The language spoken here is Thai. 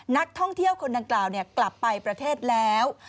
นักท่องเที่ยวคนดังกล่าวกลับไปประเทศแล้ว